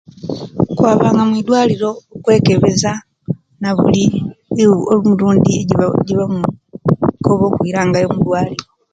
Kwabanga mwidwaliro okwekebeza nabuli emirundi ejje ejjeba ejjebamukobaga okwilangayo omudwaliro